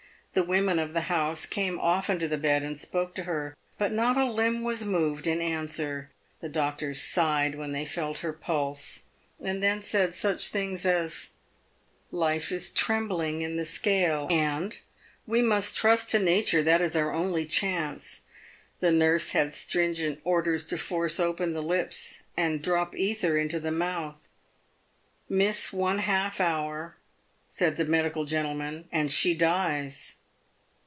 The women of the house came often to the bed and spoke to her, but not a limb was moved in answer. The doctors sighed when they felt her pulse, and then said such things as: "life is trembling in the scale," and "we must trust to Nature ; that is our only chance." The nurse had stringent orders to force open the lips, and drop ether into the mouth. " Miss one half hour," said the medical gentleman, " and she dies."